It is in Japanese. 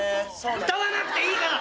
歌わなくていいから！